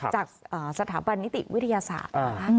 จากสถาบันนิติวิทยาศาสตร์นะคะ